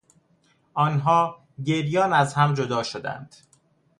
آنها گریان از هم جدا شدند.